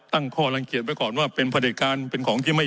ตั้งข้อลังเกียจไว้ก่อนว่าเป็นผลิตการเป็นของที่ไม่